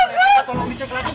di sisi semua kecil